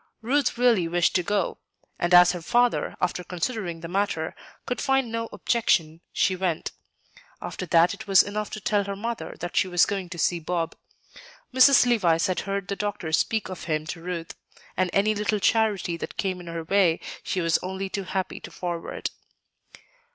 Ruth really wished to go; and as her father, after considering the matter, could find no objection, she went. After that it was enough to tell her mother that she was going to see Bob. Mrs. Levice had heard the doctor speak of him to Ruth; and any little charity that came in her way she was only too happy to forward.